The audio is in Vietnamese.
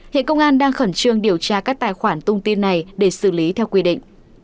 hiện công an đang khẩn trương điều tra các tài khoản tung tin này để xử lý theo quy định